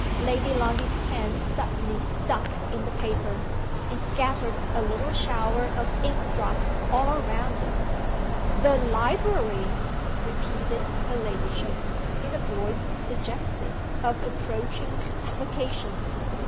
Lady Lundie's pen suddenly stuck in the paper, and scattered a little shower of ink drops all round it. "The library," repeated her ladyship, in a voice suggestive of approaching suffocation.